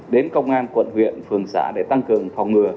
đến công an quận huyện phường xã để tăng cường phòng ngừa